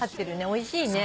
おいしいね。